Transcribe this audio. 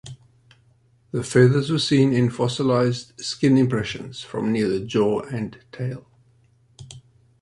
The feathers were seen in fossilized skin impressions from near the jaw and tail.